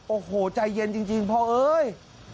โอ้โหใจเย็นจริงพ่อเอ้ย